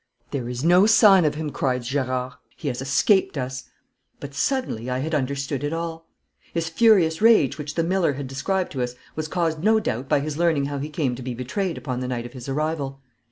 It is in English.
'There is no sign of him!' cried Gerard. 'He has escaped us.' But suddenly I had understood it all. His furious rage which the miller had described to us was caused no doubt by his learning how he came to be betrayed upon the night of his arrival.